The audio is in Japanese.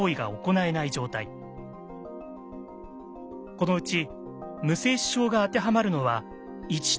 このうち無精子症が当てはまるのは１と２のケース。